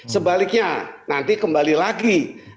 sebaliknya nanti kembali lagi